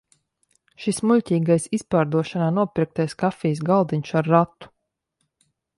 Šis muļķīgais izpārdošanā nopirktais kafijas galdiņš ar ratu!